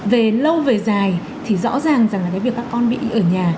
về lâu về dài thì rõ ràng rằng là cái việc các con bị ở nhà